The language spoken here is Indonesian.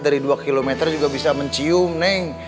dari dua km juga bisa mencium nih